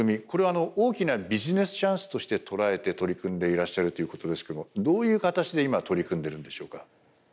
これを大きなビジネスチャンスとして捉えて取り組んでいらっしゃるということですけどもどういう形で今取り組んでるんでしょうか？